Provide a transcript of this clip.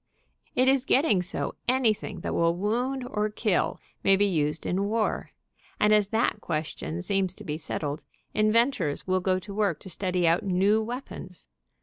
It is getting so anything that will wound or kill may be used in war, and as that question seems to be settled, inventors will go to work to study out new weapons.